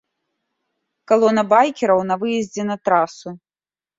Калона байкераў на выездзе на трасу.